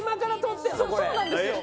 そうなんですよ。